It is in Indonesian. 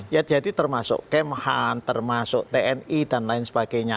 ya jadi termasuk kemhan termasuk tni dan lain sebagainya